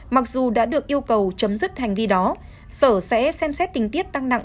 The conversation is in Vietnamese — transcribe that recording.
mặc dù đã được yêu cầu chấm dứt hành vi đó sở sẽ xem xét tình tiết tăng nặng